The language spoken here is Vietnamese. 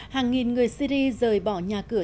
hàng nghìn người syri rời bỏ nhà cửa